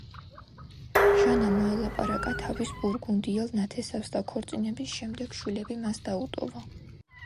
ჟანა მოელაპარაკა თავის ბურგუნდიელ ნათესავს და ქორწინების შემდეგ შვილები მას დაუტოვა.